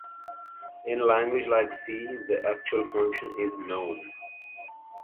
In a language like C, the actual function "is" known.